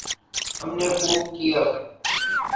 ہم نے خوب کیا۔